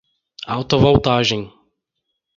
Alta voltagem!